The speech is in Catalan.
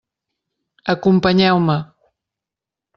Acompanyeu-me.